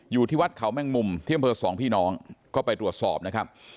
อยู่ที่วัดเขาแม่งมุมที่อำเภอสองพี่น้องก็ไปตรวจสอบนะครับ